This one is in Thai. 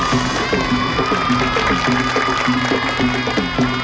สวัสดีครับ